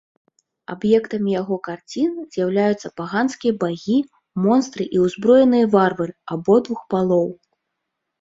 Аб'ектамі яго карцін з'яўляюцца паганскія багі, монстры і ўзброеныя варвары абодвух палоў.